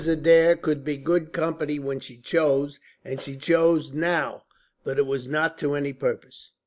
Adair could be good company when she chose, and she chose now. But it was not to any purpose.